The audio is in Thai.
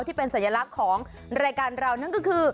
ที่เป็นสัญลักษณ์ของรายการเรานั่นก็คือ